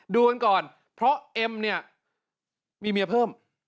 ดูกันก่อนเพราะเอ็มเนี่ยมีเมียเพิ่ม